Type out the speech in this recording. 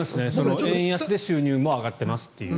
円安で収入も上がってますという。